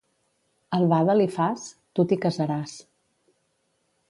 Albada li fas? Tu t'hi casaràs.